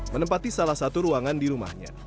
menempati salah satu ruangan di rumahnya